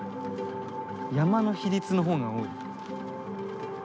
山の比率のほうが多い。